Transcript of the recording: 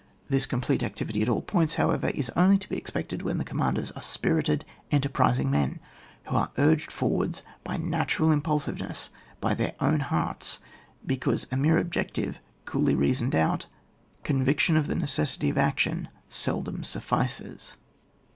This complete activity at all points, however, is only to be expected when the Com manders are spirited, enterprising men, who are urged forwards by natural im ptdsiveness by their own hearts, because a mere objective, coolly reasoned out, con viction of the necessity of action seldom suffices.